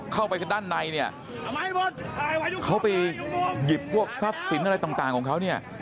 เข้าไปหยิบพวกทรัพย์สิ่งอะไรต่างของเขาเนี่ย